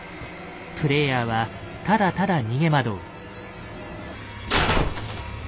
プレイヤーはただただ逃げ惑う。